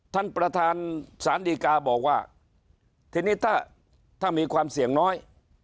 ท่านประธานสารดีกาบอกว่าทีนี้ถ้ามีความเสี่ยงน้อย